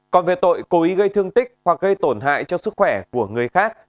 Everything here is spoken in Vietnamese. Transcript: còn về tội cố ý gây thương tích hoặc gây tổn hại cho sức khỏe của người khác